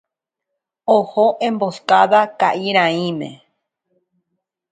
Oho Emboscada ka'irãime